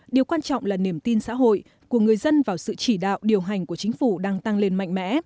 điều quan trọng là niềm tin xã hội của người dân vào sự chỉ đạo điều hành của chính phủ đang tăng lên mạnh mẽ